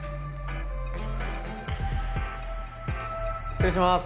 失礼します！